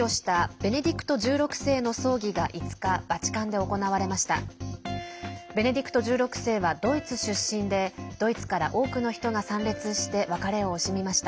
ベネディクト１６世はドイツ出身でドイツから多くの人が参列して別れを惜しみました。